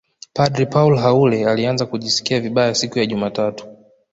padre Paul Haule alianza kujisikia vibaya siku ya jumatatu